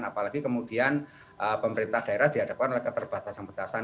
apalagi kemudian pemerintah daerah dihadapkan oleh keterbatasan batasan